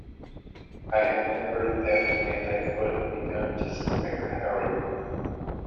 I remembered that when I first began to suspect Harry.